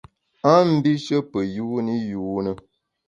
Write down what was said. A mbishe pe yuni yune.